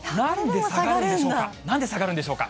なんで下がるんでしょうか。